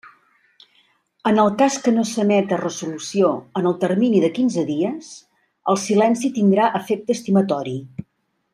En el cas que no s'emeta resolució en el termini de quinze dies, el silenci tindrà efecte estimatori.